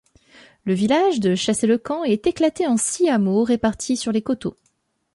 Le village de Chassey-le-Camp est éclaté en six hameaux répartis sur les coteaux.